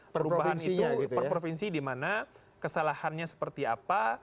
perubahan itu perprovinsi di mana kesalahannya seperti apa